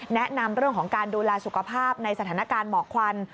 แนะนำเรื่องของการดูแลสุขภาพในสถานการณ์หมอกควัน